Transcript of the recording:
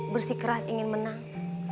bersikeras ingin menang